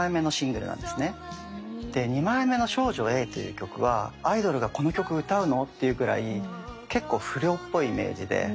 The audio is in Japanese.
で２枚目の「少女Ａ」という曲はアイドルがこんな曲歌うのっていうくらい結構不良っぽいイメージで。